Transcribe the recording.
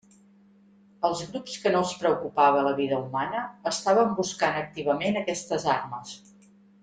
Els grups que no els preocupava la vida humana estaven buscant activament aquestes armes.